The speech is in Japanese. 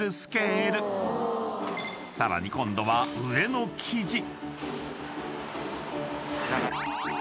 ［さらに今度は上の生地］